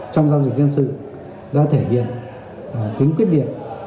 trong giao dịch dân sự ra thể hiện tính quyết định